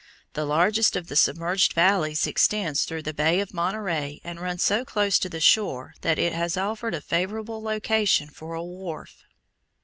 The largest of the submerged valleys extends through the Bay of Monterey, and runs so close to the shore that it has offered a favorable location for a wharf.